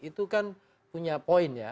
itu kan punya poinnya